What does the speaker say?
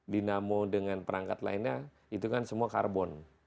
dinamo dengan perangkat lainnya itu kan semua karbon